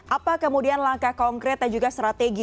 apa kemudian langkah konkret dan juga strategi